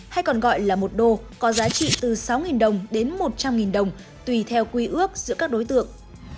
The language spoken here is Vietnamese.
hay còn gọi là một đô có giá trị từ sáu đồng đến một trăm linh đồng tùy theo quy ước giữa các đối tượng